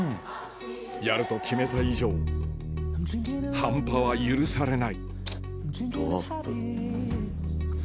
やると決めた以上半端は許されないどアップ！